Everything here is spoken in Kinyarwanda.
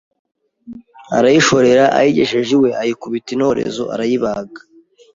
arayishorera, ayigejeje iwe ayikubita intorezo arayibaga.